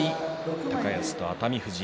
高安と熱海富士